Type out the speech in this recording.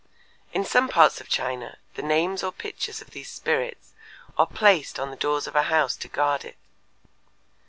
In some parts of China the names or pictures, of these spirits are placed on the doors of a house to guard it.